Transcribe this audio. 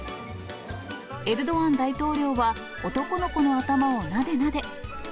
エルドアン大統領は男の子の頭をなでなで。